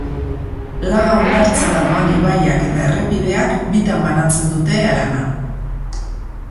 Laga hondartzara doan ibaiak eta errepideak bitan banatzen dute harana.